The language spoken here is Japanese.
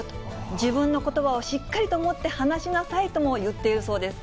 自分のことばをしっかりと持って話しなさいとも言っているそうです。